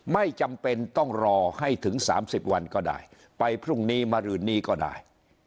ไม่จำเป็นต้องรอให้ถึง๓๐วันก็ได้ไปพรุ่งนี้มารืนนี้ก็ได้